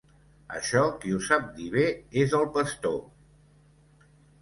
Això qui ho sap dir bé és el pastor…